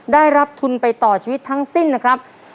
ได้รับทุนไปต่อชีวิตทั้งสิ้นนะครับ